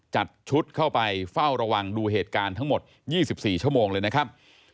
จัดชุดเข้าไปเฝ้าระวังดูเหตุการณ์ทั้งหมด๒๔ชั่วโมงเลยนะครับ